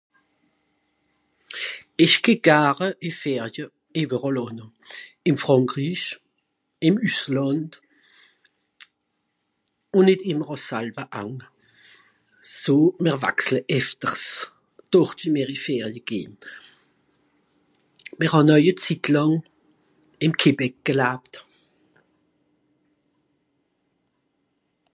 Ìch geh gare ì Ferie ìweràll ànne. Ìn Frànkrich, ìn Üsslànd (...). So mr wachsle éfters d'Ort wie mìr i Ferie gehn. Mìr hàn au e Zitt làng ìn Québec gelabt.